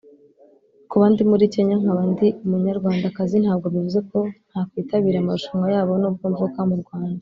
Kuba ndi muri Kenya nkaba ndi Umunyarwandakazi ntabwo bivuze ko ntakwitabira amarushanwa yabo nubwo mvuka mu Rwanda